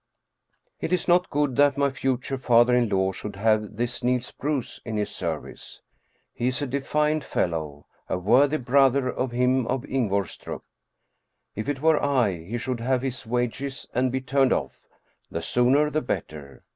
It is not good that my future father in law should have this Niels Bruus in his service. He is a defiant fellow, a worthy brother of him of Ingvorstrup. If it were I, he should have his wages and be turned off, the sooner the better.